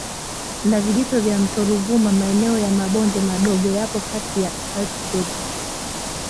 na vijito vya mto Ruvuma Maeneo ya mabonde madogo yapo kati ya altitudi